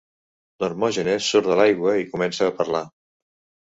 L'Hermògenes surt de l'aigua i comença a parlar.